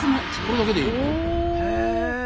これだけでいいの？